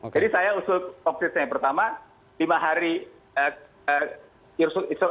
jadi saya usul konkretnya yang pertama lima hari